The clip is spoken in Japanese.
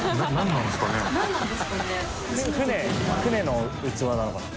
舟の器なのかな？